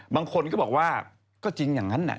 บางคนก็บอกว่าก็จริงอย่างนั้น